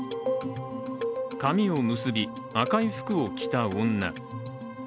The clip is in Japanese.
髪を結び、赤い服を着た女。